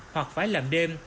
hoặc phải làm đêm